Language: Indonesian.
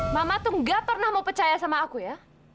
mama tuh gak pernah mau percaya sama aku ya